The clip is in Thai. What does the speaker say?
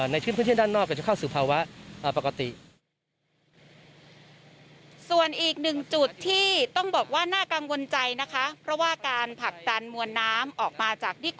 ในเครื่องเครื่องเที่ยงด้านนอกจะเข้าสู่ภาวะปกติ